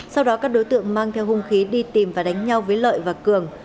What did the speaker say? sau đó các đối tượng mang theo hung khí đi tìm và đánh nhau với lợi và cường